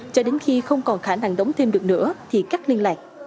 cho đến khi không còn khả năng đóng thêm được nữa thì cắt liên lạc